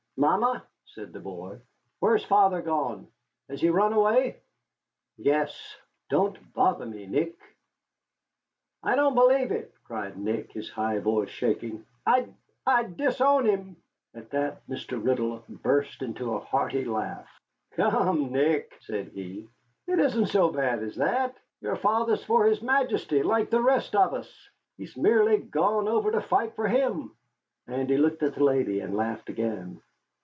"Mamma," said the boy, "where has father gone? Has he run away?" "Yes. Don't bother me, Nick." "I don't believe it," cried Nick, his high voice shaking. "I'd I'd disown him." At that Mr. Riddle burst into a hearty laugh. "Come, Nick," said he, "it isn't so bad as that. Your father's for his Majesty, like the rest of us. He's merely gone over to fight for him." And he looked at the lady and laughed again.